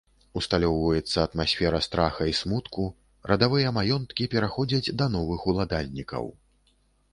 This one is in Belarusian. Усталёўваецца атмасфера страха і смутку, радавыя маёнткі пераходзяць да новых уладальнікаў.